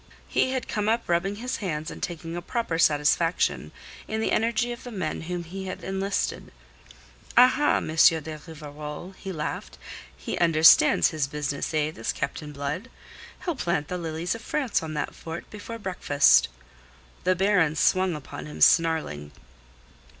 He had come up rubbing his hands and taking a proper satisfaction in the energy of the men whom he had enlisted. "Aha, M. de Rivarol!" he laughed. "He understands his business, eh, this Captain Blood. He'll plant the Lilies of France on that fort before breakfast." The Baron swung upon him snarling.